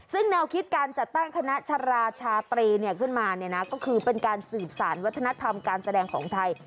ซึ่งแนวคิดการจัดตั้งคณะชราชาตรีขึ้นมาก็คือเป็นการสืบสารวัฒนธรรมการแสดงของไทย